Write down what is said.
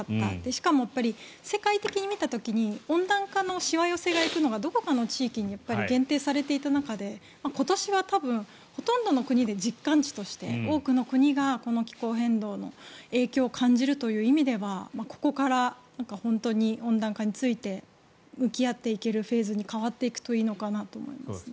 しかも世界的に見た時に温暖化のしわ寄せがいくのがどこかの地域に限定されていた中でほとんどの国で実感値として多くの国が気候変動の影響を感じるという意味ではここから本当に温暖化について向き合っていけるフェーズに変わっていくといいかなと思います。